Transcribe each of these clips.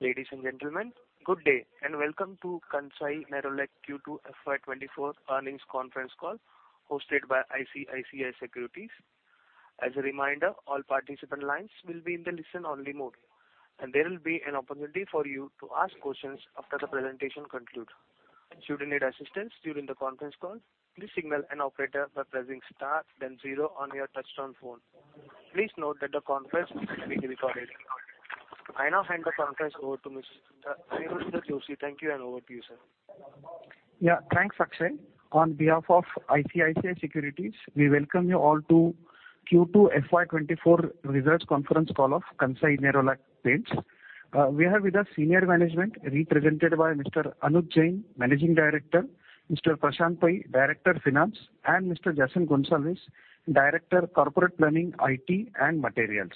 Ladies and gentlemen, good day, and welcome to Kansai Nerolac Q2 FY 2024 earnings conference call, hosted by ICICI Securities. As a reminder, all participant lines will be in the listen-only mode, and there will be an opportunity for you to ask questions after the presentation conclude. Should you need assistance during the conference call, please signal an operator by pressing star then zero on your touchtone phone. Please note that the conference is being recorded. I now hand the conference over to Mr. Aniruddha Joshi. Thank you, and over to you, sir. Yeah, thanks, Akshay. On behalf of ICICI Securities, we welcome you all to Q2 FY 2024 results conference call of Kansai Nerolac Paints. We have with us senior management, represented by Mr. Anuj Jain, Managing Director, Mr. Prashant Pai, Director, Finance, and Mr. Jason Gonsalves, Director, Corporate Planning, IT, and Materials.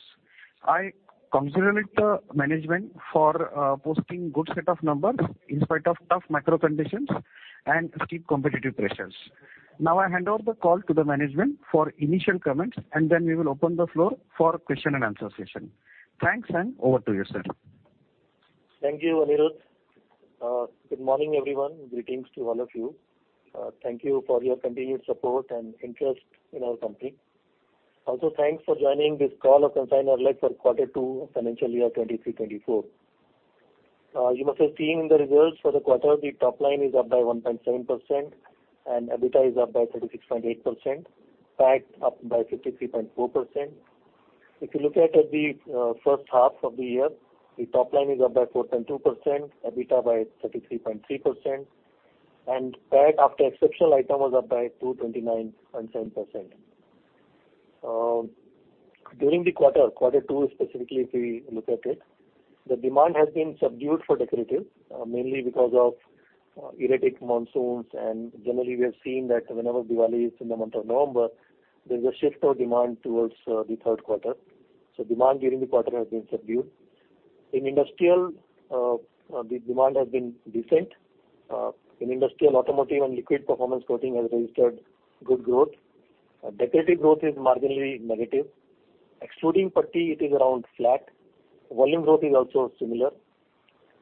I congratulate the management for posting good set of numbers in spite of tough macro conditions and steep competitive pressures. Now I hand over the call to the management for initial comments, and then we will open the floor for question and answer session. Thanks, and over to you, sir. Thank you, Aniruddha. Good morning, everyone. Greetings to all of you. Thank you for your continued support and interest in our company. Also, thanks for joining this call of Kansai Nerolac for Q2, Financial Year 2023-2024. You must have seen the results for the quarter. The top line is up by 1.7%, and EBITDA is up by 36.8%, PAT up by 53.4%. If you look at the first half of the year, the top line is up by 4.2%, EBITDA by 33.3%, and PAT after exceptional item was up by 229.7%. During the quarter, Q2 specifically, if we look at it, the demand has been subdued for decorative, mainly because of erratic monsoons, and generally, we have seen that whenever Diwali is in the month of November, there's a shift of demand towards the Q3. So demand during the quarter has been subdued. In industrial, the demand has been decent. In industrial, automotive and liquid performance coating has registered good growth. Decorative growth is marginally negative. Excluding putty, it is around flat. Volume growth is also similar.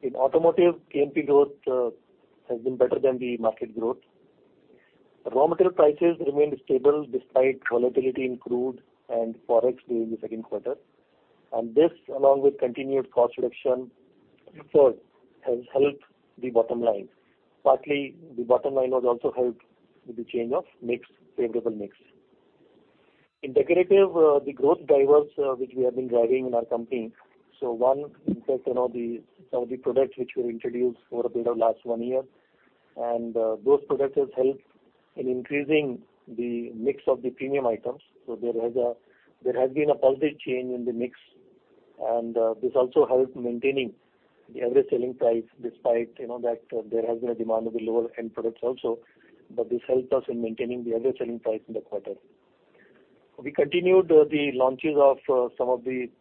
In automotive, KNP growth has been better than the market growth. Raw material prices remained stable despite volatility in crude and Forex during the Q2, and this, along with continued cost reduction effort, has helped the bottom line. Partly, the bottom line was also helped with the change of mix, favorable mix. In decorative, the growth drivers, which we have been driving in our company, so one, in fact, you know, the some of the products which we introduced over the last one year, and, those products has helped in increasing the mix of the premium items. So there has been a positive change in the mix, and, this also helped maintaining the average selling price, despite, you know, that there has been a demand of the lower-end products also, but this helped us in maintaining the average selling price in the quarter. We continued, the launches of, some of the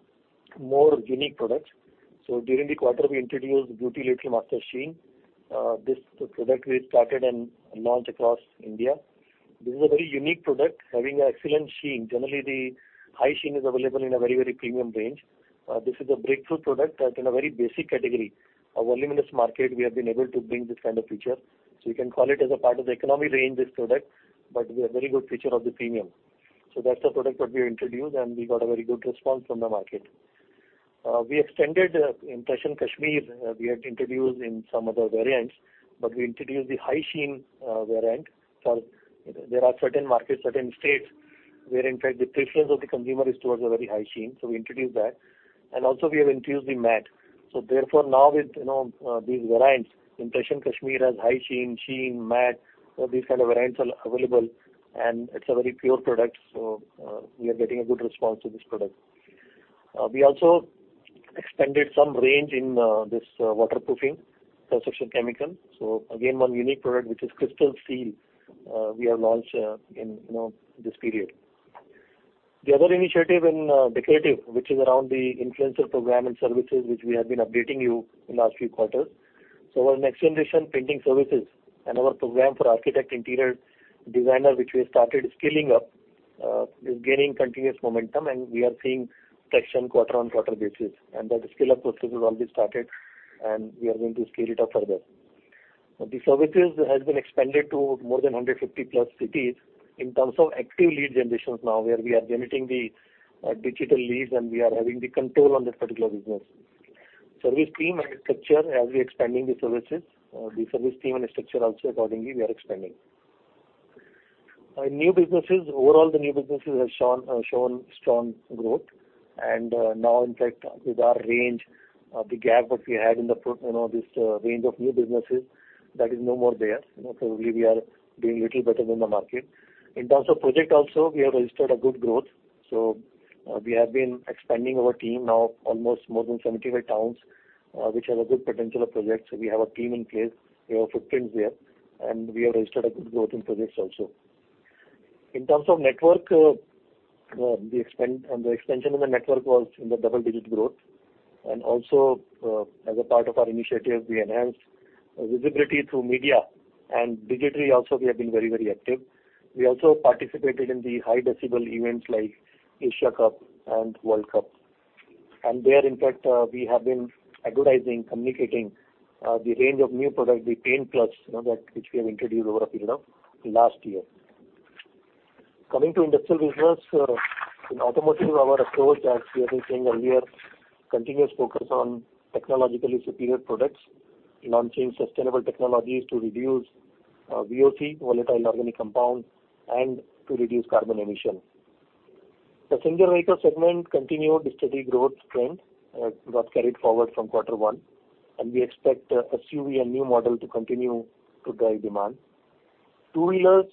more unique products. So during the quarter, we introduced Beauty Little Master Sheen. This product we started and launched across India. This is a very unique product, having excellent sheen. Generally, the high sheen is available in a very, very premium range. This is a breakthrough product that in a very basic category. A voluminous market, we have been able to bring this kind of feature. So you can call it as a part of the economy range, this product, but with a very good feature of the premium. So that's the product that we introduced, and we got a very good response from the market. We extended Impressions Kashmir. We had introduced in some other variants, but we introduced the high sheen variant. So there are certain markets, certain states, where in fact the preference of the consumer is towards a very high sheen, so we introduced that. And also, we have introduced the matte. So therefore, now with, you know, these variants, Impressions Kashmir has high sheen, sheen, matte, so these kind of variants are available, and it's a very pure product, so, we are getting a good response to this product. We also extended some range in, this waterproofing construction chemical. So again, one unique product, which is Crystalseal, we have launched, in, you know, this period. The other initiative in, decorative, which is around the influencer program and services, which we have been updating you in last few quarters. So our next-generation painting services and our program for architect interior designer, which we started scaling up, is gaining continuous momentum, and we are seeing traction quarter-on-quarter basis. And that scale-up process has already started, and we are going to scale it up further. The services has been expanded to more than 150+ cities in terms of active lead generations now, where we are generating the, digital leads, and we are having the control on that particular business. Service team and structure, as we expanding the services, the service team and structure also accordingly, we are expanding. New businesses, overall, the new businesses have shown strong growth. And, now, in fact, with our range, the gap that we had in the pro- you know, this, range of new businesses, that is no more there. You know, so we, we are doing little better than the market. In terms of project also, we have registered a good growth. So, we have been expanding our team now almost more than 75 towns, which have a good potential of projects. So we have a team in place, we have footprints there, and we have registered a good growth in projects also. In terms of network, the expansion in the network was in the double-digit growth. And also, as a part of our initiative, we enhanced visibility through media and digitally also we have been very, very active. We also participated in the high decibel events like Asia Cup and World Cup. And there, in fact, we have been advertising, communicating the range of new products, the Paint+, you know, that which we have introduced over a period of last year. Coming to industrial business, in automotive, our approach, as we have been saying earlier, continuous focus on technologically superior products, launching sustainable technologies to reduce VOC, Volatile Organic Compounds, and to reduce carbon emission. Passenger vehicle segment continued the steady growth trend, got carried forward from Q1, and we expect SUV and new model to continue to drive demand. Two-wheelers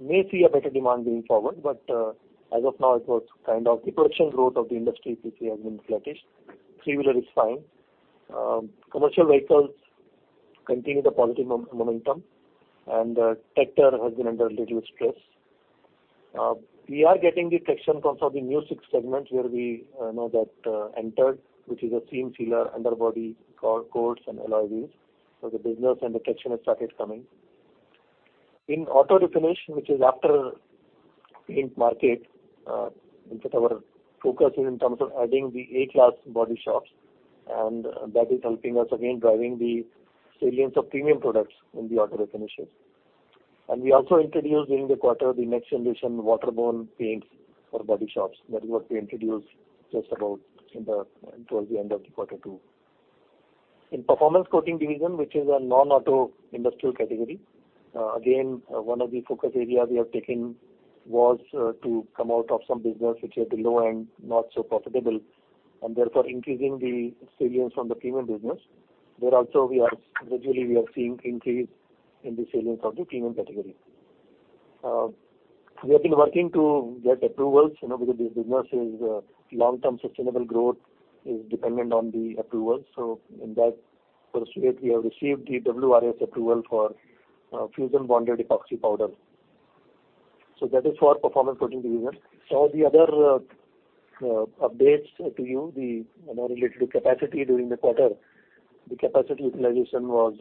may see a better demand going forward, but as of now, it was kind of the production growth of the industry, which has been flattish. Three-wheeler is fine. Commercial vehicles continue the positive momentum, and tractor has been under little stress. We are getting the traction from the new six segments where we entered, which is a seam sealer, underbody coats and alloy wheels. So the business and the traction has started coming. In auto refinish, which is after paint market, in fact our focus is in terms of adding the A-class body shops, and that is helping us again, driving the salience of premium products in the auto refinish. We also introduced during the quarter the next generation waterborne paints for body shops. That is what we introduced just about towards the end of Q2. In performance coating division, which is a non-auto industrial category, again, one of the focus areas we have taken was to come out of some business which are at the low end, not so profitable, and therefore increasing the salience from the premium business. There also we are gradually seeing increase in the salience of the premium category. We have been working to get approvals, you know, because this business is long-term sustainable growth is dependent on the approvals. So in that pursuit, we have received the WRAS approval for fusion bonded epoxy powder. So that is for performance coating division. So the other updates to you, you know, related to capacity during the quarter, the capacity utilization was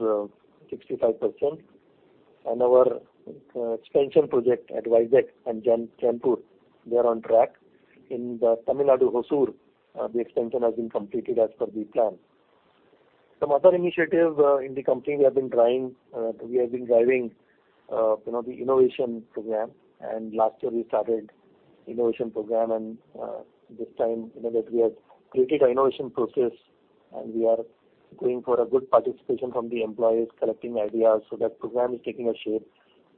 65%. And our expansion project at Vizag and Jaipur, they are on track. In Tamil Nadu, Hosur, the expansion has been completed as per the plan. Some other initiative in the company, we have been trying, we have been driving, you know, the innovation program, and last year we started innovation program, and this time, you know, that we have created a innovation process, and we are going for a good participation from the employees, collecting ideas. So that program is taking a shape,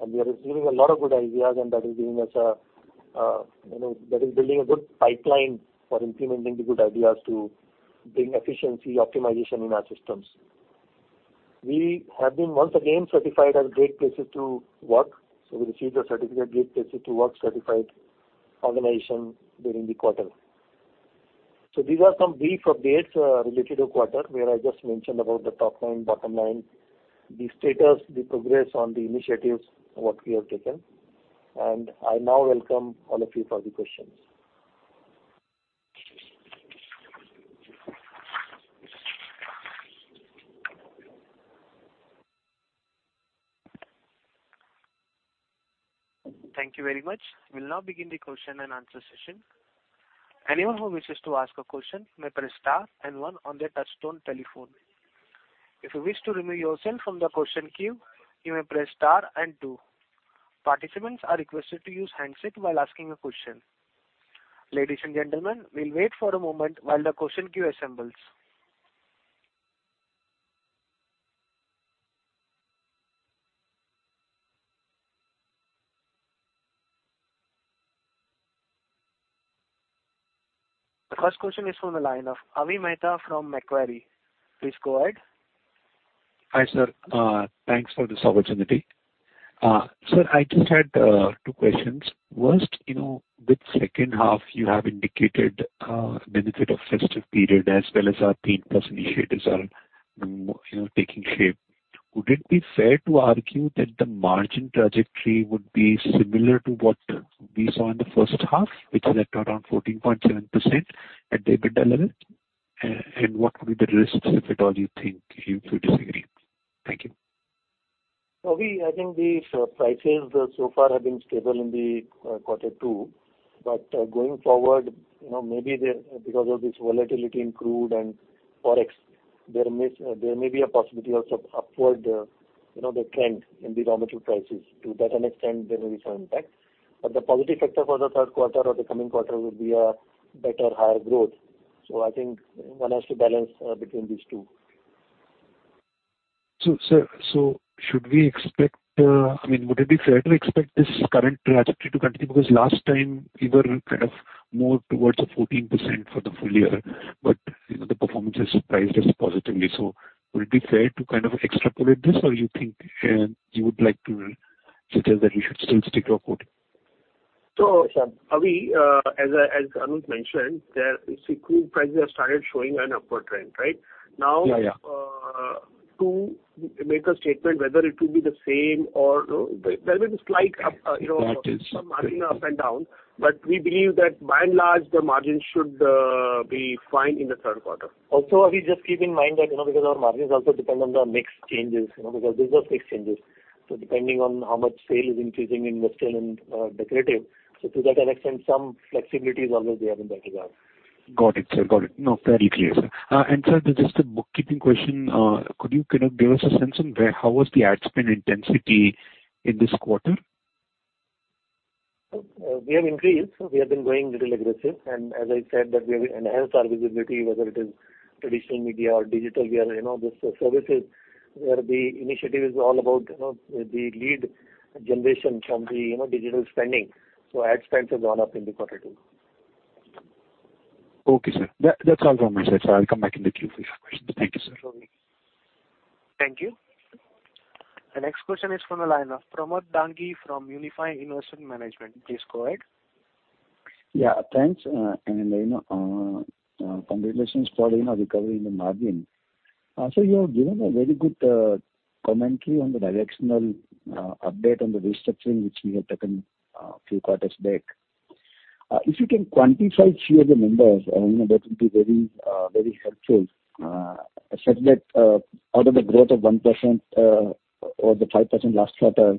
and we are receiving a lot of good ideas, and that is giving us a, you know, that is building a good pipeline for implementing the good ideas to bring efficiency, optimization in our systems. We have been once again certified as a Great Place to Work, so we received a certificate, Great Place to Work Certified organization during the quarter. So these are some brief updates, related to quarter, where I just mentioned about the top line, bottom line, the status, the progress on the initiatives, what we have taken. And I now welcome all of you for the questions. Thank you very much. We'll now begin the question and answer session. Anyone who wishes to ask a question may press star and one on their touchtone telephone. If you wish to remove yourself from the question queue, you may press star and two. Participants are requested to use handset while asking a question. Ladies and gentlemen, we'll wait for a moment while the question queue assembles. The first question is from the line of Avi Mehta from Macquarie. Please go ahead. Hi, sir. Thanks for this opportunity. Sir, I just had two questions. First, you know, with second half, you have indicated benefit of festive period, as well as our Paint+ initiatives are, you know, taking shape. Would it be fair to argue that the margin trajectory would be similar to what we saw in the first half, which is at around 14.7% at the EBITDA level? And what would be the risks, if at all, you think you could disagree? Thank you. Avi, I think the prices so far have been stable in the Q2. But going forward, you know, maybe because of this volatility in crude and Forex, there may be a possibility of some upward, you know, the trend in the raw material prices. To that extent, there may be some impact. But the positive factor for the Q3 or the coming quarter will be a better higher growth. So I think one has to balance between these two. So, sir, so should we expect, I mean, would it be fair to expect this current trajectory to continue? Because last time, we were kind of more towards the 14% for the full year, but, you know, the performance has surprised us positively. So would it be fair to kind of extrapolate this, or you think, you would like to suggest that we should still stick to our coding? So, Avi, as Anuj mentioned, you see, crude prices have started showing an upward trend, right? Yeah, yeah. To make a statement whether it will be the same or, you know, there will be a slight up, you know, margin up and down. But we believe that by and large, the margin should be fine in the Q3. Also, we just keep in mind that, you know, because our margins also depend on the mix changes, you know, because there's no mix changes. So depending on how much sale is increasing in industrial and decorative, so to that extent, some flexibility is always there in that regard. Got it, sir. Got it. No, very clear, sir. And sir, just a bookkeeping question. Could you kind of give us a sense on where, how was the ad spend intensity in this quarter? We have increased. We have been going a little aggressive, and as I said, that we have enhanced our visibility, whether it is traditional media or digital media. You know, this services, where the initiative is all about, you know, the lead generation from the, you know, digital spending. So ad spend has gone up in the quarter, too. Okay, sir. That, that's all from my side, sir. I'll come back in the queue for questions. Thank you, sir. Thank you. The next question is from the line of Pramod Dangi from Unifi Investment Management. Please go ahead. Yeah, thanks. And, you know, congratulations for, you know, recovering the margin. So you have given a very good commentary on the directional update on the restructuring, which you had taken few quarters back. If you can quantify few of the numbers, you know, that would be very, very helpful, such that out of the growth of 1% or the 5% last quarter,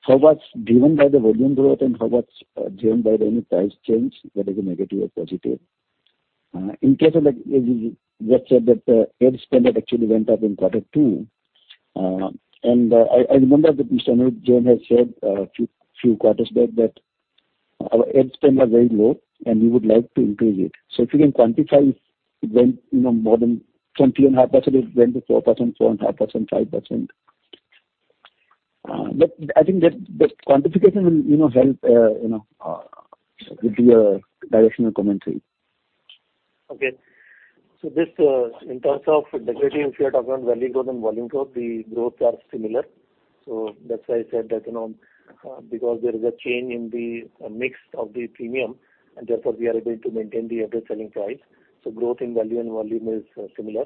how much driven by the volume growth and how much driven by any price change, whether it's negative or positive? In case of like, you just said that the ad spend actually went up in Q2, and I remember that Mr. Anuj Jain had said few quarters back that our ad spend was very low, and we would like to increase it. So if you can quantify, it went, you know, more than from 3.5%, it went to 4%, 4.5%, 5%. But I think that, that quantification will, you know, help, you know, give you a directional commentary. Okay. So this, in terms of decorative, if you are talking about value growth and volume growth, the growth are similar. So that's why I said that, you know, because there is a change in the mix of the premium, and therefore, we are able to maintain the average selling price. So growth in value and volume is similar.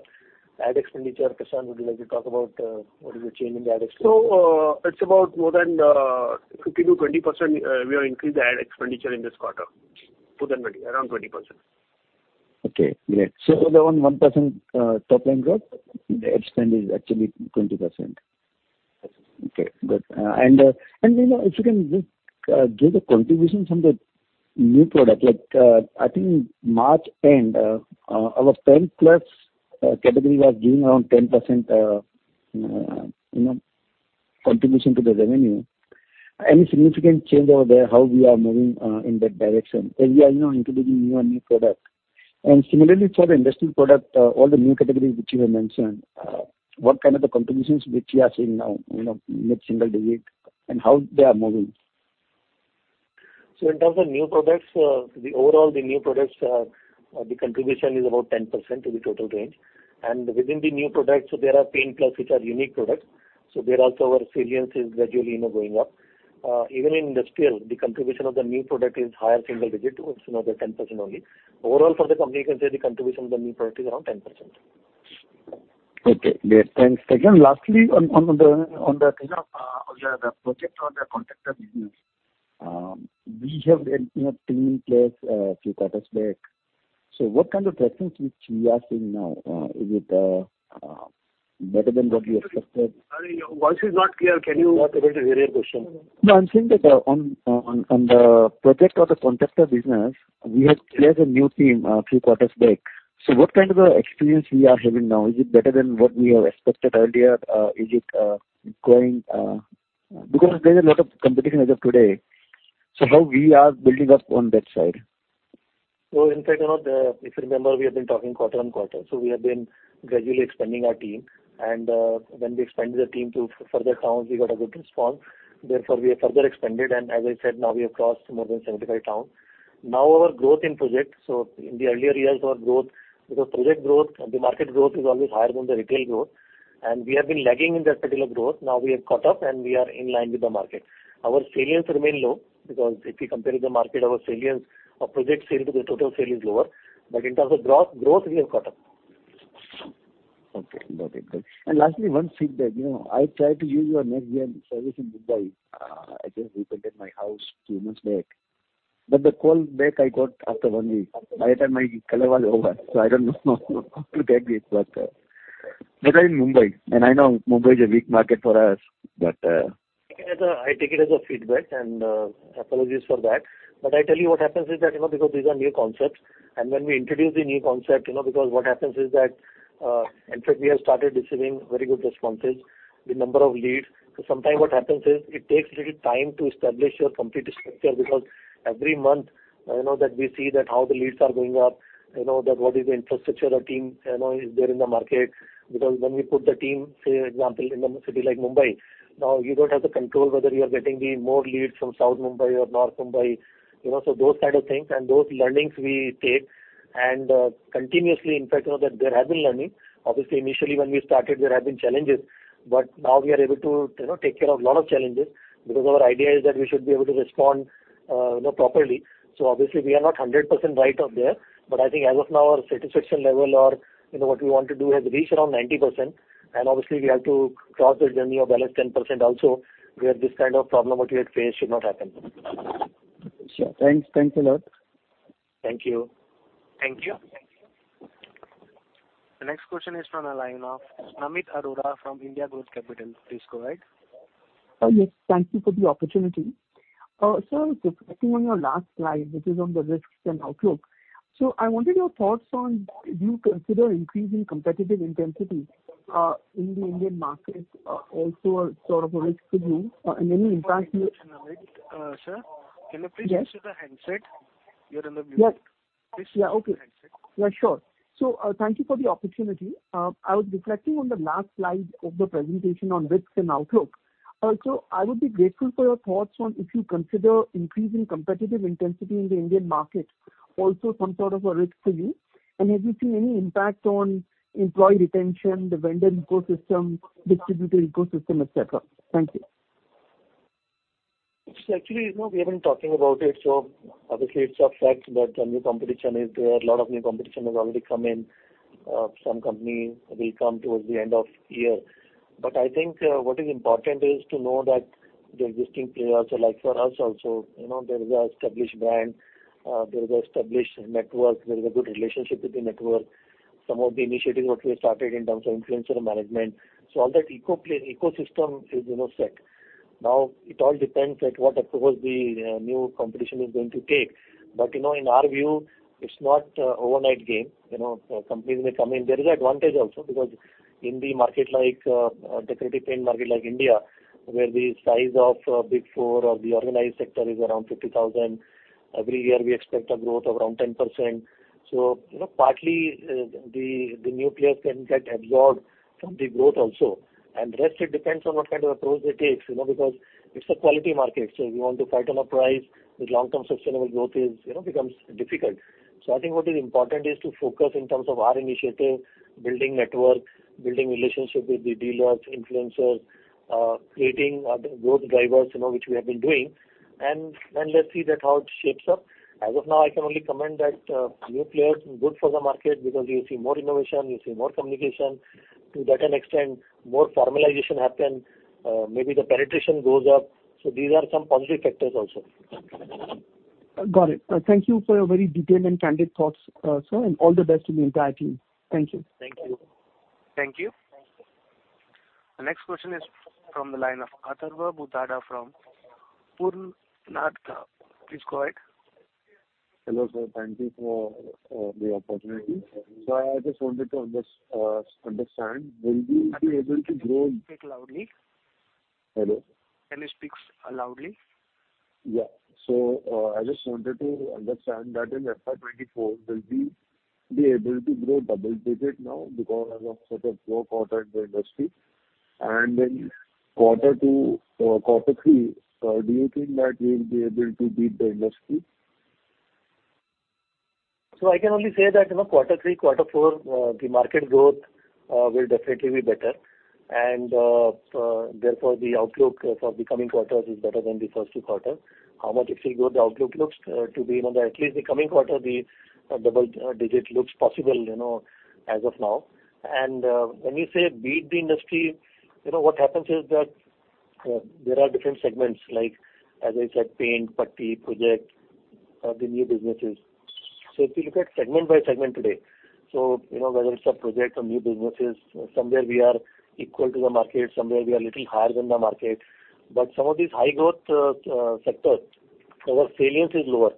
Ad expenditure, Prashant, would you like to talk about what is the change in the ad expenditure? It's about more than 50%-20%. We have increased the ad expenditure in this quarter. More than 20%, around 20%. Okay, great. So the 1% top line growth? The ad spend is actually 20%. Okay, good. And, you know, if you can just give the contribution from the new product, like, I think March end, our Paint+ category was giving around 10%, you know, contribution to the revenue. Any significant change over there, how we are moving in that direction? As we are, you know, introducing new and new product. And similarly, for the industrial product, all the new categories which you have mentioned, what kind of the contributions which you are seeing now, you know, mid-single digit, and how they are moving? So in terms of new products, the overall, the new products, the contribution is about 10% of the total range. And within the new products, so there are Paint+, which are unique products. So there also our sales is gradually, you know, going up. Even in industrial, the contribution of the new product is higher single digit, it's another 10% only. Overall, for the company, you can say the contribution of the new product is around 10%. Okay, great. Thanks. Again, lastly, on the, you know, on the project or the contractor business, we have a, you know, team in place, a few quarters back. So what kind of presence which we are seeing now? Is it better than what we expected? Sorry, your voice is not clear. Can you repeat the earlier question. No, I'm saying that, on the project or the contractor business, we have placed a new team, three quarters back. So what kind of experience we are having now? Is it better than what we have expected earlier? Is it going- because there's a lot of competition as of today, so how we are building up on that side? So in fact, you know, the, if you remember, we have been talking quarter-on-quarter. So we have been gradually expanding our team. And when we expanded the team to further towns, we got a good response. Therefore, we have further expanded, and as I said, now we have crossed more than 75 towns. Now, our growth in projects, so in the earlier years, our growth, because project growth, the market growth is always higher than the retail growth, and we have been lagging in that particular growth. Now, we have caught up, and we are in line with the market. Our sales remain low, because if you compare with the market, our sales, our project sale to the total sale is lower. But in terms of growth, growth, we have caught up. Okay, got it. And lastly, one feedback. You know, I tried to use your Nerolac service in Mumbai. I just repainted my house two months back, but the call back I got after one week. By that time, my color was over, so I don't know how to take it. But in Mumbai, and I know Mumbai is a weak market for us. I take it as a feedback, and apologies for that. But I tell you what happens is that, you know, because these are new concepts, and when we introduce the new concept, you know, because what happens is that, in fact, we have started receiving very good responses, the number of leads. So sometime what happens is, it takes a little time to establish your complete structure, because every month, you know, that we see that how the leads are going up, you know, that what is the infrastructure or team, you know, is there in the market. Because when we put the team, say, example, in a city like Mumbai, now you don't have the control whether you are getting the more leads from South Mumbai or North Mumbai, you know, so those type of things and those learnings we take, and continuously, in fact, you know, that there have been learning. Obviously, initially when we started, there have been challenges, but now we are able to, you know, take care of a lot of challenges, because our idea is that we should be able to respond, you know, properly. So obviously, we are not 100% right out there, but I think as of now, our satisfaction level or, you know, what we want to do has reached around 90%. Obviously, we have to cross the journey of the last 10% also, where this kind of problem what we had faced should not happen. Sure. Thanks. Thanks a lot. Thank you. Thank you. The next question is from the line of Amit Arora from IndGrowth Capital. Please go ahead. Yes, thank you for the opportunity. Sir, reflecting on your last slide, which is on the risks and outlook. So I wanted your thoughts on, do you consider increasing competitive intensity in the Indian market also a sort of a risk to you, and any impact- Sir, can you please- Yes. Use the handset? You're on mute. Yes. Please- Yeah, okay. Use the handset. Yeah, sure. So, thank you for the opportunity. I was reflecting on the last slide of the presentation on risks and outlook. So, I would be grateful for your thoughts on if you consider increasing competitive intensity in the Indian market, also some sort of a risk to you. And have you seen any impact on employee retention, the vendor ecosystem, distributor ecosystem, et cetera? Thank you. Actually, you know, we have been talking about it, so obviously it's a fact that a new competition is there. A lot of new competition has already come in. Some company will come towards the end of year. But I think, what is important is to know that the existing players are like for us also, you know, there is an established brand, there is an established network, there is a good relationship with the network. Some of the initiatives what we started in terms of influencer management, so all that ecosystem is, you know, set. Now, it all depends at what approach the, new competition is going to take. But, you know, in our view, it's not an overnight game. You know, companies may come in. There is an advantage also, because in the market like, decorative paint market like India, where the size of, Big Four of the organized sector is around 50,000 every year, we expect a growth of around 10%. So, you know, partly, the, the new players can get absorbed from the growth also. And the rest, it depends on what kind of approach it takes, you know, because it's a quality market, so you want to fight on a price, the long-term sustainable growth is, you know, becomes difficult. So I think what is important is to focus in terms of our initiative, building network, building relationship with the dealers, influencers, creating other growth drivers, you know, which we have been doing, and then let's see that how it shapes up. As of now, I can only comment that new players, good for the market because you see more innovation, you see more communication. To that extent, more formalization happen, maybe the penetration goes up. So these are some positive factors also. Got it. Thank you for your very detailed and candid thoughts, sir, and all the best to the entire team. Thank you. Thank you. Thank you. The next question is from the line of Atharva Bhutada from Purnartha. Please go ahead. Hello, sir. Thank you for the opportunity. So I just wanted to understand, will we be able to grow- Speak loudly. Hello? Can you speak loudly? Yeah. So, I just wanted to understand that in FY 2024, will we be able to grow double-digit now because of sort of low quarter in the industry? And in Q2, Q3, do you think that we will be able to beat the industry? So I can only say that, you know, Q3, Q4, the market growth will definitely be better. And therefore, the outlook for the coming quarters is better than the first two quarters. How much it will grow, the outlook looks to be, you know, that at least the coming quarter, the double digit looks possible, you know, as of now. And when you say beat the industry, you know, what happens is that there are different segments, like, as I said, paint putty, project, the new businesses. So if you look at segment by segment today, so, you know, whether it's a project or new businesses, somewhere we are equal to the market, somewhere we are little higher than the market. But some of these high growth sectors, our salience is lower.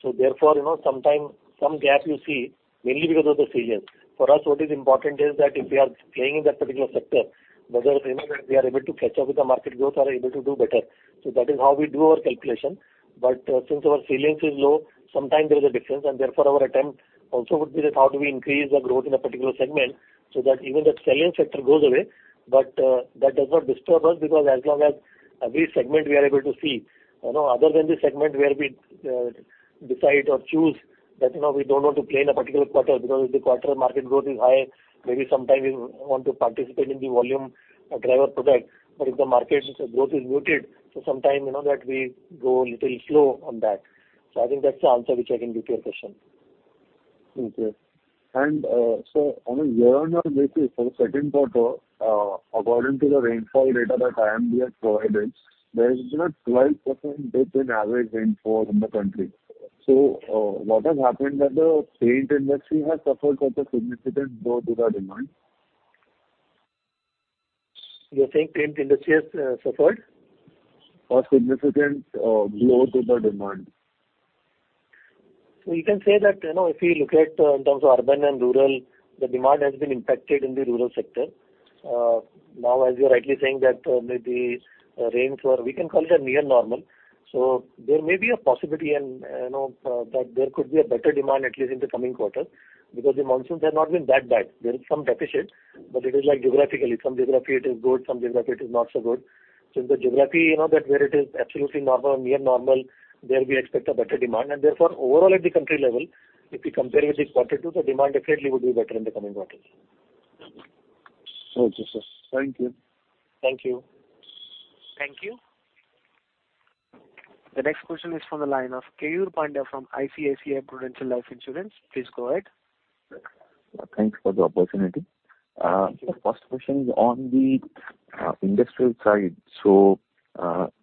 So therefore, you know, sometime some gap you see, mainly because of the salience. For us, what is important is that if we are playing in that particular sector, whether, you know, that we are able to catch up with the market growth or able to do better. So that is how we do our calculation. But since our salience is low, sometime there is a difference, and therefore, our attempt also would be that how do we increase the growth in a particular segment, so that even the salience factor goes away. But, that does not disturb us, because as long as every segment we are able to see, you know, other than the segment where we decide or choose that, you know, we don't want to play in a particular quarter, because if the quarter market growth is high, maybe sometime we want to participate in the volume or driver product. But if the market's growth is muted, so sometime, you know, that we go a little slow on that. So I think that's the answer which I can give to your question. Okay. And, so, I mean, year-on-year basis for the second quarter, according to the rainfall data that IMD has provided, there is a 12% dip in average rainfall in the country. So, what has happened that the paint industry has suffered such a significant blow to the demand? You're saying paint industry has suffered? A significant blow to the demand. So you can say that, you know, if you look at, in terms of urban and rural, the demand has been impacted in the rural sector. Now, as you're rightly saying, that, maybe, rains were- We can call it a near normal. So there may be a possibility and, you know, that there could be a better demand, at least in the coming quarter, because the monsoons have not been that bad. There is some deficit, but it is like geographically. Some geography, it is good, some geography it is not so good. So the geography, you know, that where it is absolutely normal or near normal, there we expect a better demand. And therefore, overall at the country level, if we compare it with the Q2, the demand definitely would be better in the coming quarters. So this is. Thank you. Thank you. Thank you. The next question is from the line of Keyur Pandya from ICICI Prudential Life Insurance. Please go ahead. Thanks for the opportunity. The first question is on the industrial side. So,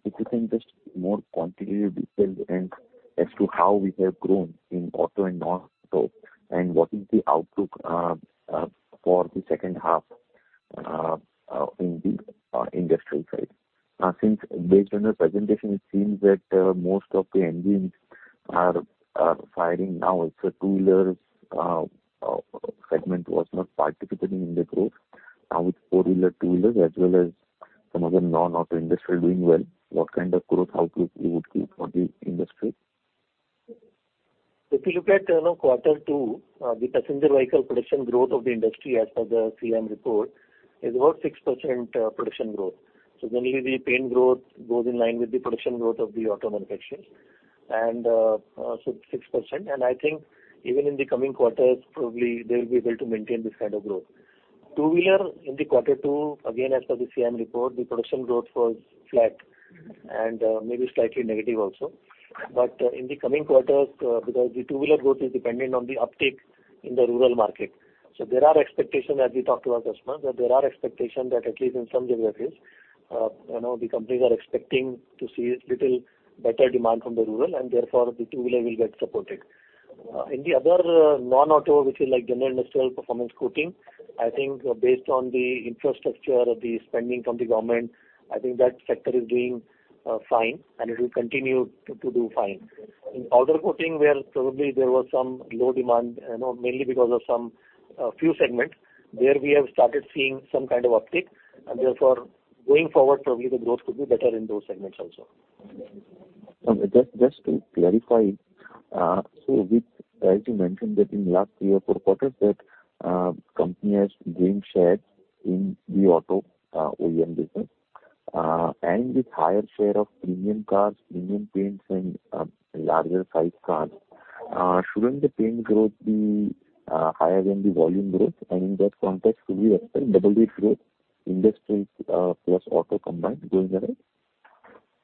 if you can just more quantitative detail and as to how we have grown in auto and non-auto, and what is the outlook for the second half in the industrial side? Since based on the presentation, it seems that most of the engines are firing now. So two-wheeler segment was not participating in the growth. Now, with four-wheeler, two-wheelers, as well as some other non-auto industry doing well, what kind of growth outlook you would keep for the industry? If you look at, you know, Q2, the passenger vehicle production growth of the industry as per the SIAM report is about 6% production growth. So generally, the paint growth goes in line with the production growth of the auto manufacturers, and so 6%. And I think even in the coming quarters, probably they will be able to maintain this kind of growth. Two-wheeler in Q2, again, as per the SIAM report, the production growth was flat and maybe slightly negative also. But in the coming quarters, because the two-wheeler growth is dependent on the uptake in the rural market. So there are expectations as we talk to our customers, that there are expectations that at least in some geographies, you know, the companies are expecting to see a little better demand from the rural, and therefore the two-wheeler will get supported. In the other, non-auto, which is like general industrial performance coating, I think based on the infrastructure, the spending from the government, I think that sector is doing fine, and it will continue to do fine. In other coating, where probably there was some low demand, you know, mainly because of some few segments, there we have started seeing some kind of uptick, and therefore going forward, probably the growth could be better in those segments also. Just, just to clarify, so with, as you mentioned that in last three or four quarters, that, company has gained shares in the auto, OEM business, and with higher share of premium cars, premium paints and, larger size cars, shouldn't the paint growth be, higher than the volume growth? And in that context, should we expect double-digit growth, industrial, plus auto combined going ahead?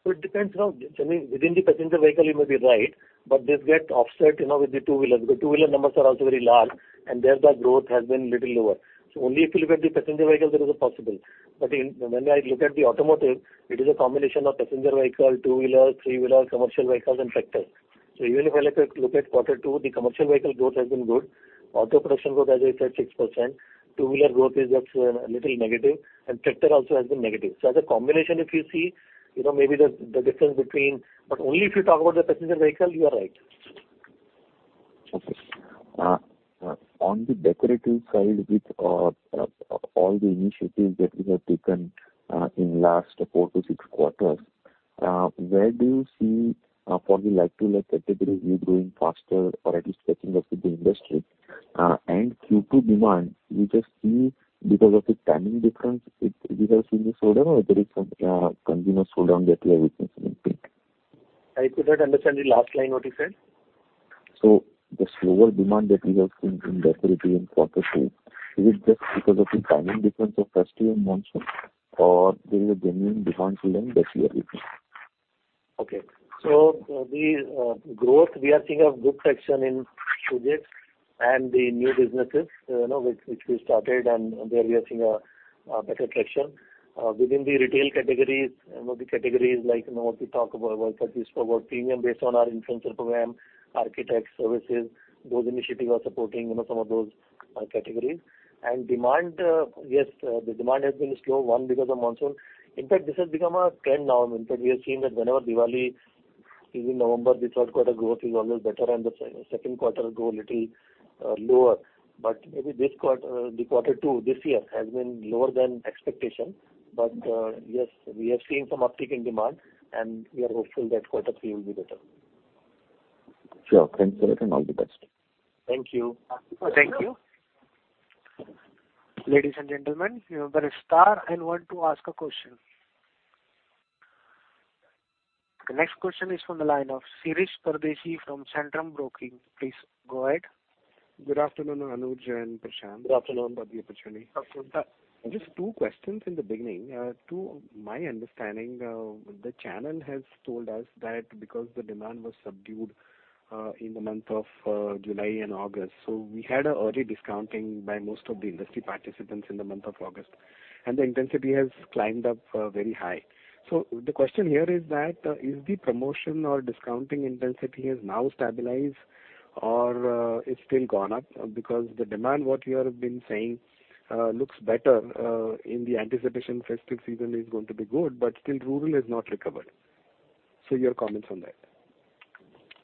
So it depends, you know, I mean, within the passenger vehicle, you may be right, but this get offset, you know, with the two-wheeler. The two-wheeler numbers are also very large, and there the growth has been little lower. So only if you look at the passenger vehicles, that is possible. But in, when I look at the automotive, it is a combination of passenger vehicle, two-wheeler, three-wheeler, commercial vehicles and tractors. So even if I look at, look at Q2, the commercial vehicle growth has been good. Auto production growth, as I said, 6%. Two-wheeler growth is just a little negative, and tractor also has been negative. So as a combination, if you see, you know, maybe the, the difference between- but only if you talk about the passenger vehicle, you are right. Okay. On the decorative side, with all the initiatives that you have taken in last 4-6 quarters, where do you see for the like-to-like category, you growing faster or at least catching up with the industry? And Q2 demand, you just see because of the timing difference, it, we have seen the slowdown or there is some continuous slowdown that we are witnessing in paint? I could not understand the last line what you said. The slower demand that we have seen in decorative in Q2, is it just because of the timing difference of festive and monsoon, or there is a genuine demand slowing that you are seeing? Okay. So the growth, we are seeing good traction in segments and the new businesses, you know, which we started, and there we are seeing a better traction. Within the retail categories, you know, the categories like, you know, what we talk about, at least about premium based on our influencer program, architect services, those initiatives are supporting, you know, some of those categories. And demand, yes, the demand has been slow, one because of monsoon. In fact, this has become a trend now. In fact, we have seen that whenever Diwali is in November, the third quarter growth is always better and the second quarter growth a little lower. But maybe this quarter, the Q2, this year, has been lower than expectation. Yes, we are seeing some uptick in demand, and we are hopeful that Q3 will be better. Sure. Thanks a lot, and all the best. Thank you. Thank you. Ladies and gentlemen, you press star and one to ask a question. The next question is from the line of Shirish Pardeshi from Centrum Broking. Please go ahead. Good afternoon, Anuj and Prashant. Good afternoon. Thank you for the opportunity. Just two questions in the beginning. To my understanding, the channel has told us that because the demand was subdued, in the month of July and August, so we had a early discounting by most of the industry participants in the month of August, and the intensity has climbed up, very high. So the question here is that, is the promotion or discounting intensity has now stabilized or, it's still gone up? Because the demand, what you have been saying, looks better, in the anticipation festive season is going to be good, but still rural is not recovered. So your comments on that.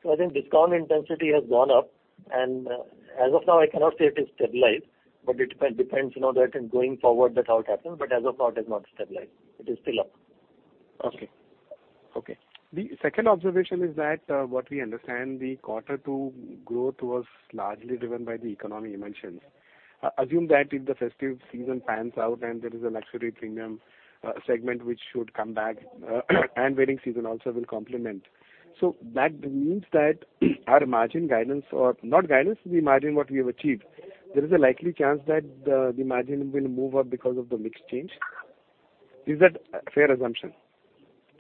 So I think discount intensity has gone up, and, as of now, I cannot say it is stabilized, but it depends, you know, that in going forward, that's how it happens, but as of now, it is not stabilized. It is still up. Okay. Okay. The second observation is that, what we understand, the Q2 growth was largely driven by the economic dimensions. Assume that if the festive season pans out and there is a luxury premium, segment, which should come back, and wedding season also will complement. So that means that, our margin guidance or not guidance, the margin what we have achieved, there is a likely chance that the, the margin will move up because of the mix change? Is that a fair assumption?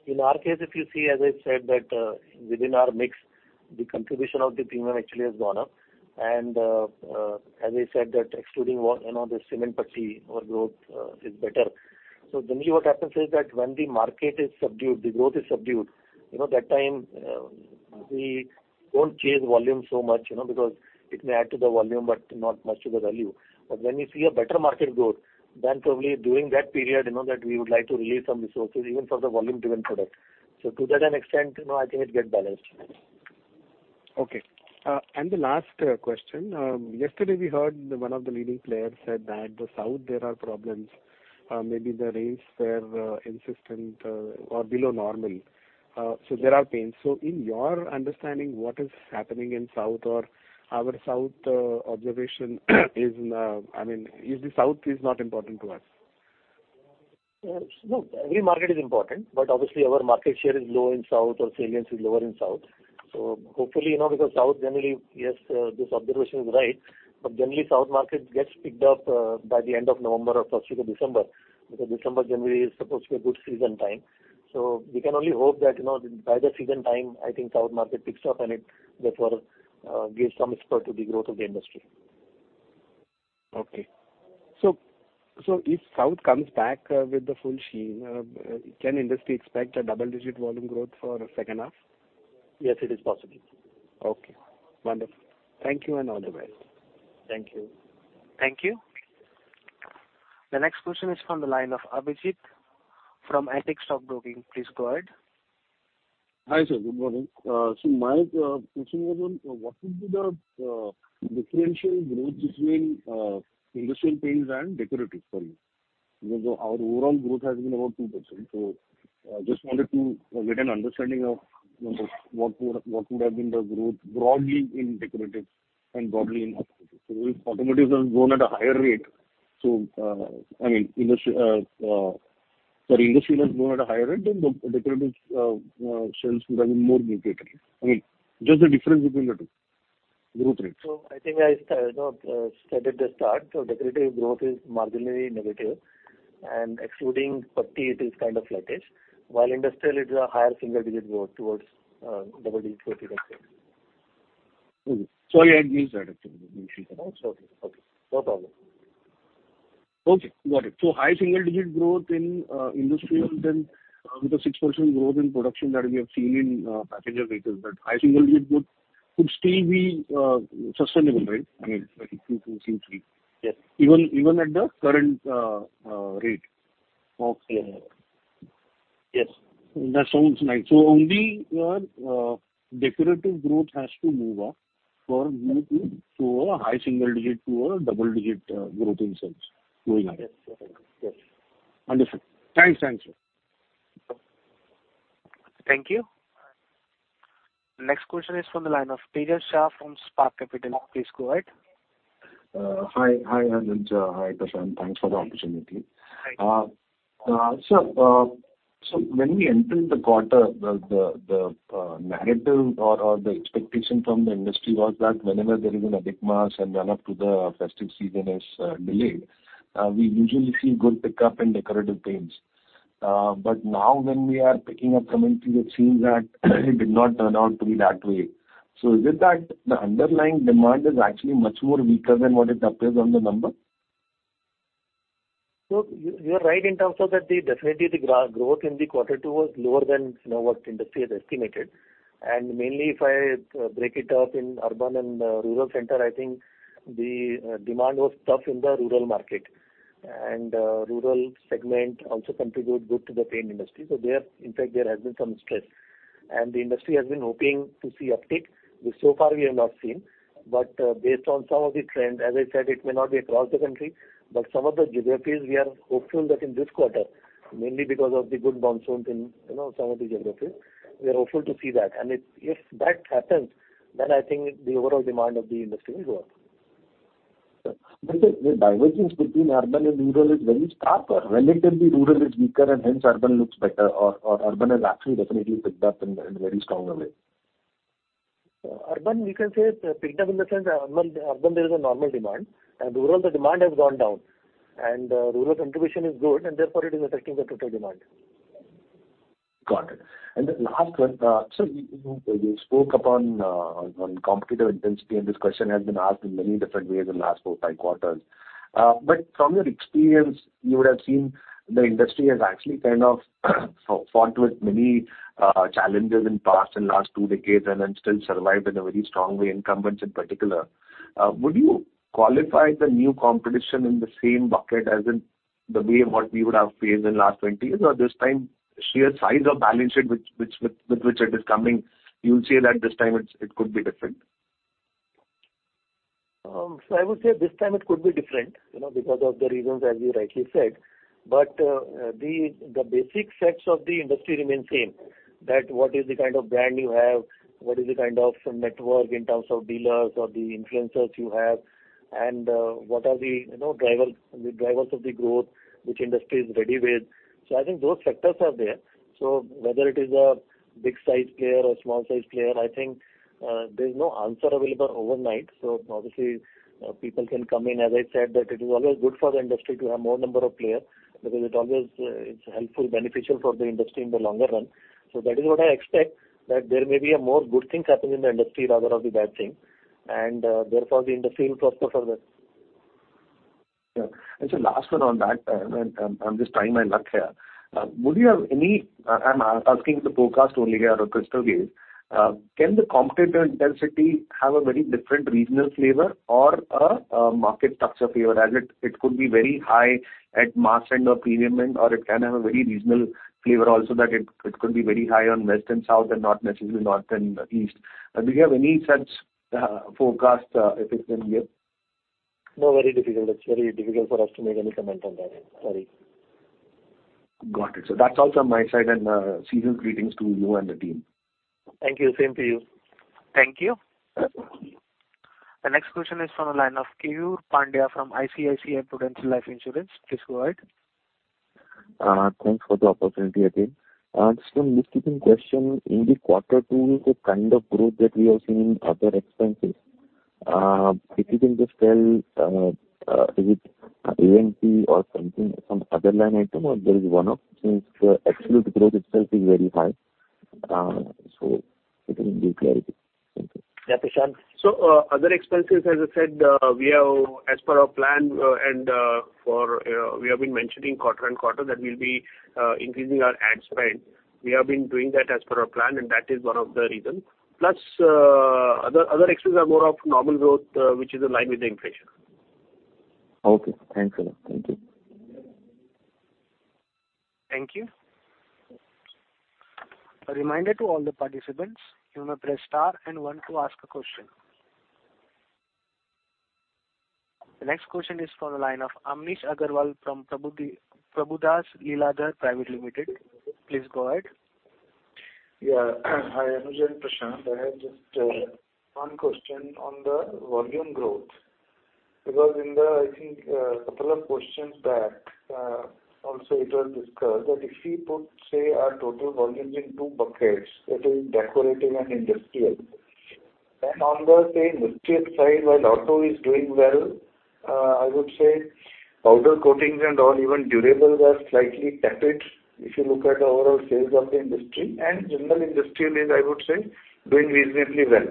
In our case, if you see, as I said, that within our mix, the contribution of the premium actually has gone up. And as I said, that excluding, you know, the cement putty, our growth is better. So generally, what happens is that when the market is subdued, the growth is subdued, you know, that time we don't change volume so much, you know, because it may add to the volume, but not much to the value. But when you see a better market growth, then probably during that period, you know, that we would like to release some resources, even for the volume-driven product. So to that extent, you know, I think it gets balanced. Okay. And the last question. Yesterday, we heard one of the leading players said that the South, there are problems, maybe the rains were insistent or below normal, so there are pains. So in your understanding, what is happening in South or our South observation is, I mean, is the South not important to us? Yes. Look, every market is important, but obviously our market share is low in South or salience is lower in South. So hopefully, you know, because South generally, yes, this observation is right, but generally, South market gets picked up by the end of November or first week of December, because December, January is supposed to be a good season time. So we can only hope that, you know, by the season time, I think South market picks up, and it therefore gives some spurt to the growth of the industry. Okay. So if South comes back with the full steam, can industry expect a double-digit volume growth for the second half? Yes, it is possible. Okay, wonderful. Thank you and all the best. Thank you. Thank you. The next question is from the line of Abhijeet from Antique Stock Broking. Please go ahead. Hi, sir. Good morning. So my question was on, what would be the differential growth between industrial paints and decorative paints? Because your overall growth has been about 2% growth, so I just wanted to get an understanding of, you know, what would, what would have been the growth broadly in decorative and broadly in automotive. So if automotives has grown at a higher rate, so, I mean, industrial, sorry, industrial has grown at a higher rate, then the decorative sales would have been more muted. I mean, just the difference between the two growth rates. So I think I, you know, stated at the start. Decorative growth is marginally negative, and excluding putty, it is kind of flattish, while industrial, it's a higher single-digit growth towards, double digit, whatever. Sorry, I missed that. Okay. No problem. Okay, got it. So high single-digit growth in industrial, then with the 6% growth in production that we have seen in passenger vehicles, but high single-digit growth could still be sustainable, right? I mean, Yes. Even, even at the current rate of sales? Yes. That sounds nice. So only your decorative growth has to move up for you to show a high single digit to a double-digit growth in sales going ahead. Yes. Understood. Thanks. Thanks, sir. Thank you. Next question is from the line of Tejas Shah from Spark Capital. Please go ahead. Hi, Anuj. Hi, Prashant. Thanks for the opportunity. Hi. So when we entered the quarter, the narrative or the expectation from the industry was that whenever there is an uptick mass and run-up to the festive season is delayed, we usually see good pickup in decorative paints. But now when we are picking up from it, we have seen that it did not turn out to be that way. So is it that the underlying demand is actually much more weaker than what it appears on the number? So you are right in terms of that. Definitely, the growth in Q2 was lower than, you know, what industry has estimated. And mainly, if I break it up in urban and rural center, I think the demand was tough in the rural market. And rural segment also contributed good to the paint industry. So there, in fact, there has been some stress, and the industry has been hoping to see uptick, which so far we have not seen. But based on some of the trends, as I said, it may not be across the country, but some of the geographies, we are hopeful that in this quarter, mainly because of the good monsoons in, you know, some of the geographies, we are hopeful to see that. If that happens, then I think the overall demand of the industry will go up. Sir, the divergence between urban and rural is very stark, or relatively rural is weaker and hence urban looks better, or, or urban has actually definitely picked up in a, in a very strong way? Urban, we can say, picked up in the sense there is a normal demand. Rural, the demand has gone down, and rural contribution is good, and therefore it is affecting the total demand. Got it. And the last one, so you spoke upon on competitive intensity, and this question has been asked in many different ways in the last four, five quarters. But from your experience, you would have seen the industry has actually kind of fought with many challenges in past and last two decades and still survived in a very strong way, incumbents in particular. Would you qualify the new competition in the same bucket as in the way what we would have faced in last 20 years? Or this time, sheer size of balance sheet with which it is coming, you say that this time it's, it could be different? So I would say this time it could be different, you know, because of the reasons as you rightly said, but the basic facts of the industry remain same, that what is the kind of brand you have, what is the kind of network in terms of dealers or the influencers you have, and what are the, you know, drivers of the growth which industry is ready with. So I think those factors are there. So whether it is a big-sized player or small-sized player, I think there's no answer available overnight. So obviously people can come in. As I said, that it is always good for the industry to have more number of players, because it always it's helpful, beneficial for the industry in the longer run. So that is what I expect, that there may be a more good thing happening in the industry rather than the bad thing, and therefore, the industry will prosper from it. Yeah. And so last one on that, and I'm just trying my luck here. Would you have any? I'm asking the forecast only or a crystal gaze. Can the competitor intensity have a very different regional flavor or a market structure flavor, as it could be very high at mass end or premium end, or it can have a very regional flavor also, that it could be very high on west and south, and not necessarily north and east. Do you have any such forecast, if it can give? No, very difficult. It's very difficult for us to make any comment on that. Sorry. Got it. So that's all from my side, and seasonal greetings to you and the team. Thank you. Same to you. Thank you. The next question is from the line of Keyur Pandya from ICICI Prudential Life Insurance. Please go ahead. Thanks for the opportunity again. Just one housekeeping question: In the Q2, the kind of growth that we have seen in other expenses, if you can just tell, is it A&P or something, some other line item, or there is one-off, since the absolute growth itself is very high? So little bit clarity. Thank you. Yeah, Prashant. So, other expenses, as I said, we have as per our plan, and we have been mentioning quarter-on-quarter that we'll be increasing our ad spend. We have been doing that as per our plan, and that is one of the reasons. Plus, other expenses are more of normal growth, which is in line with the inflation. Okay. Thanks a lot. Thank you. Thank you. A reminder to all the participants, you may press star and one to ask a question. The next question is from the line of Amnish Aggarwal from Prabhudas Lilladher Private Limited. Please go ahead. Yeah. Hi, Anuj and Prashant. I have just one question on the volume growth. Because in the, I think, couple of questions back, also it was discussed that if we put, say, our total volumes in two buckets, that is, decorative and industrial. Then on the, say, industrial side, while auto is doing well, I would say powder coatings and all, even durable, were slightly tapped. If you look at the overall sales of the industry, and general industrial is, I would say, doing reasonably well.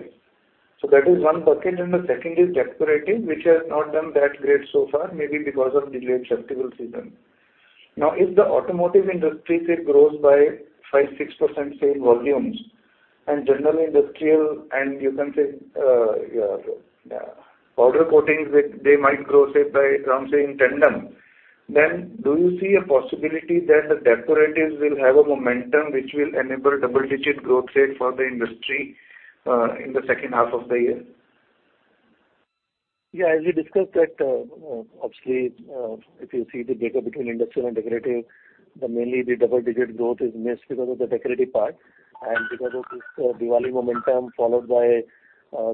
So that is one bucket, and the second is decorative, which has not done that great so far, maybe because of delayed festival season. Now, if the automotive industry, it grows by 5%-6% sale volumes and general industrial, and you can say, powder coatings, they might grow, say, by around, say, in tandem, then do you see a possibility that the decoratives will have a momentum which will enable double-digit growth rate for the industry in the second half of the year? Yeah, as we discussed that, obviously, if you see the breakup between industrial and decorative, mainly the double-digit growth is missed because of the decorative part. And because of this, Diwali momentum, followed by,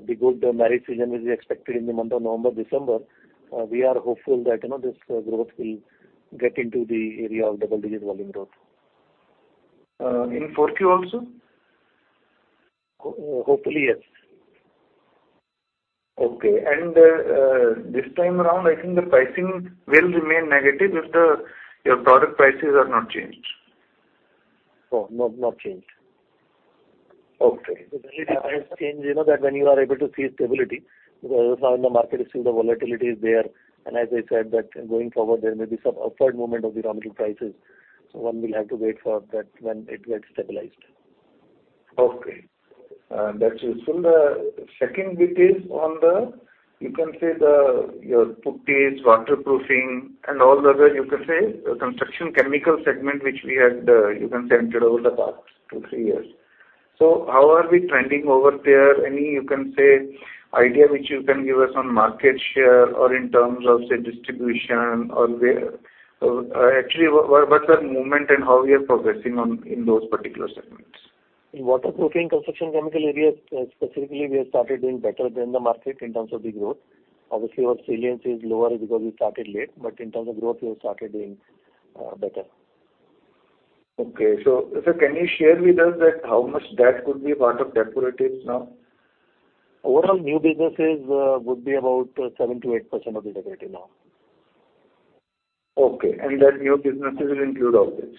the good marriage season, which is expected in the month of November, December, we are hopeful that, you know, this growth will get into the area of double-digit volume growth. In Q4 also? Hopefully, yes. Okay. This time around, I think the pricing will remain negative if your product prices are not chaged. No, not, not changed. Okay. The price change, you know, that when you are able to see stability, because now in the market you see the volatility is there. As I said, that going forward, there may be some upward movement of the raw material prices. One will have to wait for that when it gets stabilized. Okay. That's useful. The second bit is on the, you can say the, your putties, waterproofing and all the other, you can say, the construction chemical segment, which we had, you can say, entered over the past two, three years. So how are we trending over there? Any, you can say, idea which you can give us on market share or in terms of, say, distribution or where, actually, what, what's our movement and how we are progressing on, in those particular segments? In waterproofing, construction, chemical areas, specifically, we have started doing better than the market in terms of the growth. Obviously, our saliency is lower because we started late, but in terms of growth, we have started doing better. Okay. So, can you share with us that how much that could be part of decoratives now? Overall, new businesses would be about 7%-8% of the decorative now. Okay. And that new businesses will include all this?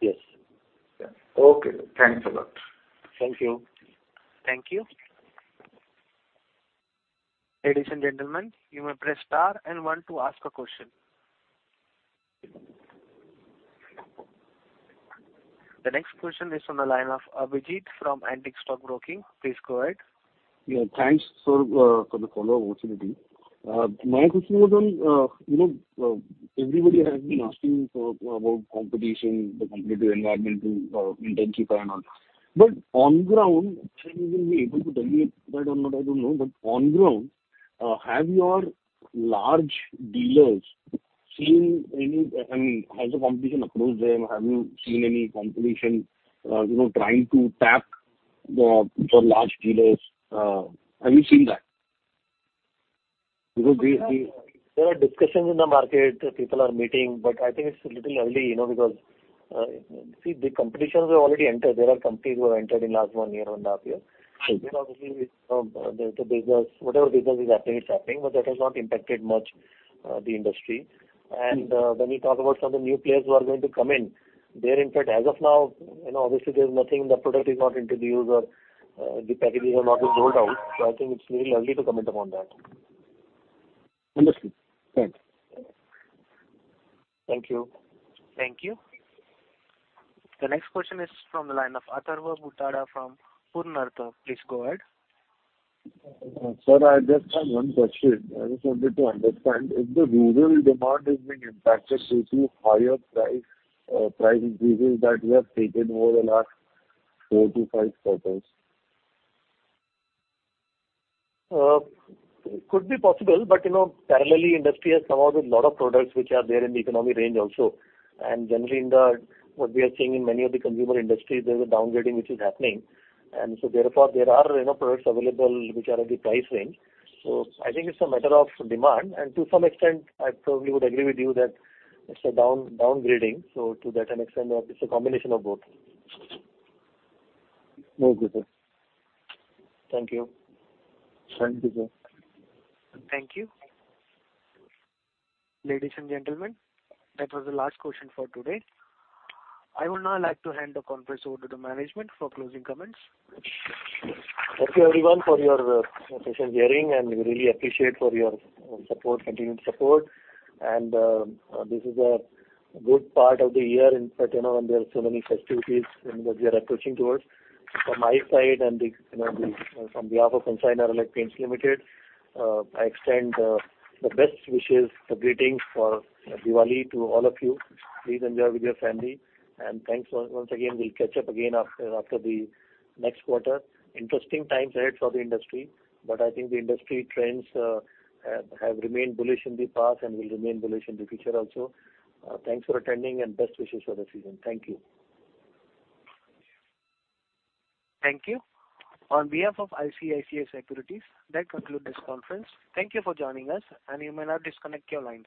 Yes. Okay. Thanks a lot. Thank you. Thank you. Ladies and gentlemen, you may press star and one to ask a question. The next question is from the line of Abhijeet from Antique Stock Broking. Please go ahead. Yeah, thanks for the follow-up opportunity. My question was on, you know, everybody has been asking for about competition, the competitive environment to intensify and all. But on ground, I think you will be able to tell me if I don't know, I don't know. But on ground, have your large dealers seen any, I mean, has the competition approached them? Have you seen any competition, you know, trying to tap the your large dealers? Have you seen that? Because we, we- There are discussions in the market, people are meeting, but I think it's a little early, you know, because, see, the competitions have already entered. There are companies who have entered in last one year, one and a half year. Sure. You know, the business, whatever business is happening, it's happening, but that has not impacted much, the industry. When you talk about some of the new players who are going to come in, they're in fact, as of now, you know, obviously, there's nothing, the product is not into the use or the packages are not yet rolled out, so I think it's little early to comment upon that. Understood. Thanks. Thank you. Thank you. The next question is from the line of Atharva Bhutada from Purnartha. Please go ahead. Sir, I just have one question. I just wanted to understand if the rural demand is being impacted due to higher price, price increases that you have taken over the last 4 quarters-5 quarters? Could be possible, but, you know, parallelly, industry has come out with a lot of products which are there in the economy range also. And generally, in what we are seeing in many of the consumer industries, there's a downgrading which is happening. And so therefore, there are, you know, products available which are at the price range. So I think it's a matter of demand, and to some extent, I probably would agree with you that it's a downgrading, so to that extent, it's a combination of both. Very good, sir. Thank you. Thank you, sir. Thank you. Ladies and gentlemen, that was the last question for today. I would now like to hand the conference over to the management for closing comments. Thank you, everyone, for your patient hearing, and we really appreciate for your support, continued support. And, this is a good part of the year, in fact, you know, when there are so many festivities and that we are approaching towards. From my side and the, you know, the—from behalf of Kansai Nerolac Paints Limited, I extend, the best wishes, the greetings for Diwali to all of you. Please enjoy with your family, and thanks once, once again. We'll catch up again after, after the next quarter. Interesting times ahead for the industry, but I think the industry trends, have, have remained bullish in the past and will remain bullish in the future also. Thanks for attending, and best wishes for the season. Thank you. Thank you. On behalf of ICICI Securities, that concludes this conference. Thank you for joining us, and you may now disconnect your lines.